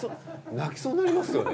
泣きそうになりますよね。